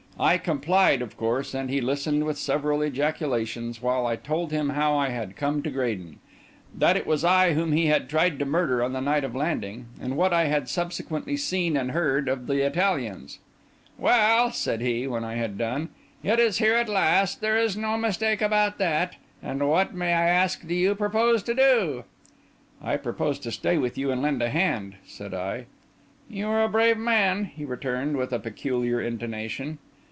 I complied of course; and he listened, with several ejaculations, while I told him how I had come to Graden: that it was I whom he had tried to murder on the night of landing; and what I had subsequently seen and heard of the Italians. "Well," said he, when I had done, "it is here at last; there is no mistake about that. And what, may I ask, do you propose to do?" "I propose to stay with you and lend a hand," said I. "You are a brave man," he returned, with a peculiar intonation.